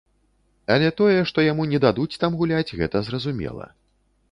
Але тое, што яму не дадуць там гуляць, гэта зразумела.